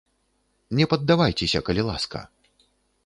Не паддавайцеся, калі ласка.